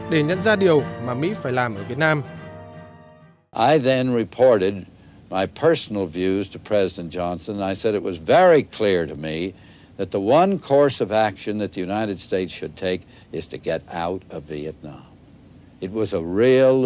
để nhận ra điều mà mỹ phải làm ở việt nam